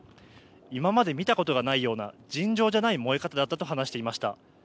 今まで見たことがないような尋常じゃない燃え方だったと話していました。